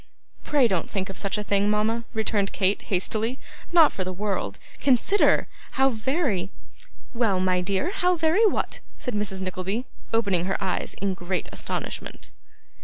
'Pray don't think of such a thing, mama,' returned Kate, hastily; 'not for the world. Consider. How very ' 'Well, my dear, how very what?' said Mrs. Nickleby, opening her eyes in great astonishment.